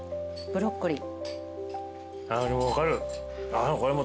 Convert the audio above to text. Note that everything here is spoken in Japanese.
ブロッコリー。